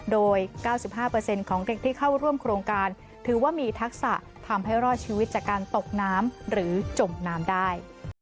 โดย๙๕ของเด็กที่เข้าร่วมโครงการถือว่ามีทักษะทำให้รอดชีวิตจากการตกน้ำหรือจมน้ำได้